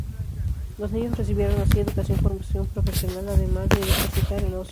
Los niños recibieron así educación, formación profesional, además de ejercitar el ocio.